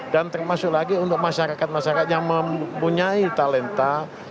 dan termasuk lagi untuk masyarakat masyarakat yang mempunyai talenta